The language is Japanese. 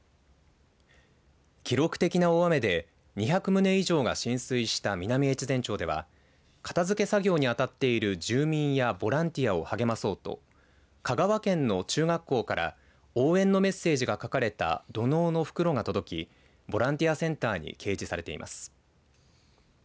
記録的の大雨で２００棟以上が浸水した南越前町では片づけ作業に当たっている住民やボランティアを励まそうと香川県の中学校から応援のメッセージが書かれた土のうの袋が届きボランティアセンターに掲示されています。